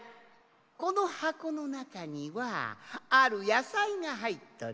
このはこのなかにはあるやさいがはいっとる。